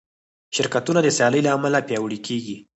شرکتونه د سیالۍ له امله پیاوړي کېږي.